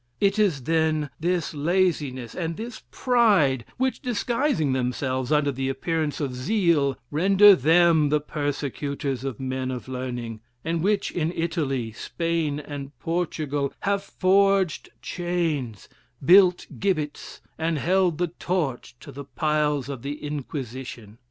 It is then this laziness and this pride, which, disguising themselves under the appearance of zeal, render them the persecutors of men of learning; and which in Italy, Spain, and Portugal, have forged chains, built gibbets, and held the torch to the piles of the Inquisition.